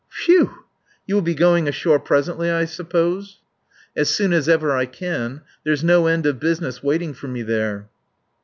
"Phew! ... You will be going ashore presently I suppose?" "As soon as ever I can. There's no end of business waiting for me there."